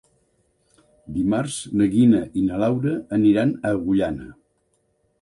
Dimarts na Gina i na Laura aniran a Agullana.